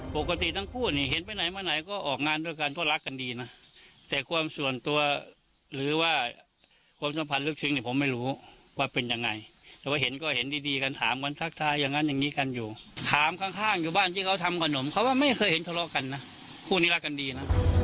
ปกติทั้งคู่นี่เห็นไปไหนมาไหนก็ออกงานด้วยกันก็รักกันดีนะแต่ความส่วนตัวหรือว่าความสัมพันธ์ลึกซึ้งเนี่ยผมไม่รู้ว่าเป็นยังไงแต่ว่าเห็นก็เห็นดีกันถามกันทักทายอย่างนั้นอย่างนี้กันอยู่ถามข้างอยู่บ้านที่เขาทำขนมเขาว่าไม่เคยเห็นทะเลาะกันนะคู่นี้รักกันดีนะ